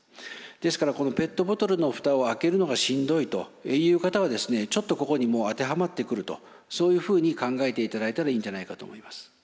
ですからペットボトルの蓋を開けるのがしんどいという方はちょっとここにもう当てはまってくるとそういうふうに考えていただいたらいいんじゃないかと思います。